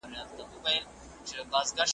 زما په سر دی